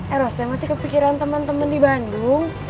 eh roste masih kepikiran temen temen di bandung